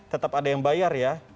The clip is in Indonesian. tetap ada yang bayar ya